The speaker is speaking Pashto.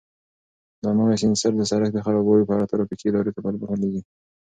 دا نوی سینسر د سړک د خرابوالي په اړه ترافیکي ادارې ته معلومات لېږي.